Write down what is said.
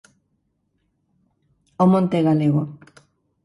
O monte galego.